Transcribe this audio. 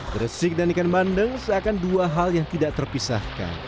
gresik dan ikan bandeng seakan dua hal yang tidak terpisahkan